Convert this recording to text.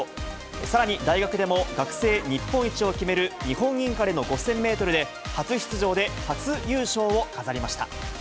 さらに大学でも学生日本一を決める日本インカレの５０００メートルで、初出場で初優勝を飾りました。